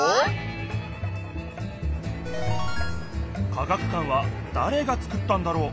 科学館はだれがつくったんだろう。